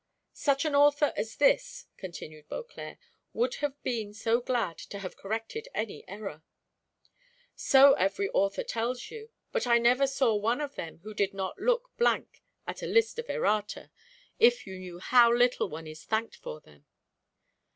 "Such an author as this," continued Beauclerc, "would have been so glad to have corrected any error." "So every author tells you, but I never saw one of them who did not look blank at a list of errata if you knew how little one is thanked for them!"